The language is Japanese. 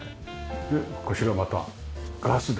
こちらまたガスで。